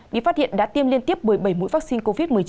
bị phát hiện đã tiêm liên tiếp một mươi bảy mũi vaccine covid một mươi chín